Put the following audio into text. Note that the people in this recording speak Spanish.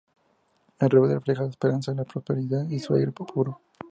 El verde refleja la esperanza, la prosperidad y su aire puro.